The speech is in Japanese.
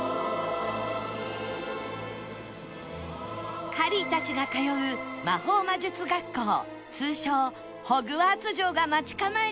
さらにハリーたちが通う魔法魔術学校通称ホグワーツ城が待ち構えています